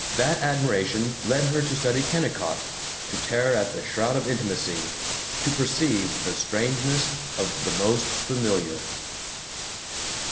That admiration led her to study Kennicott, to tear at the shroud of intimacy, to perceive the strangeness of the most familiar.